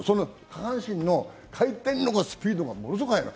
下半身の回転力、スピードがものすごく早いの。